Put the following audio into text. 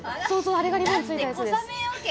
あれがリボンのやつです。